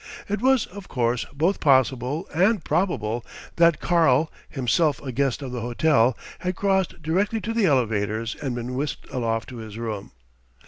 It was, of course, both possible and probable that "Karl," himself a guest of the hotel, had crossed directly to the elevators and been whisked aloft to his room.